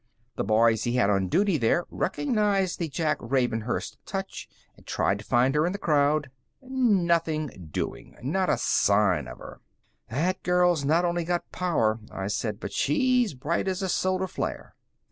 The boys he had on duty there recognized the Jack Ravenhurst touch, and tried to find her in the crowd. Nothing doing. Not a sign of her." "That girl's not only got power," I said, "but she's bright as a solar flare."